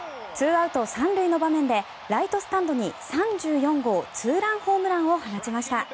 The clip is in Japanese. ２アウト３塁の場面でライトスタンドに３４号ツーランホームランを放ちました。